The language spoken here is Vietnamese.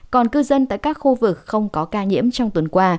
còn cư dân tại các khu vực không có ca nhiễm trong tuần qua